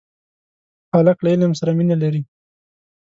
هلک له علم سره مینه لري.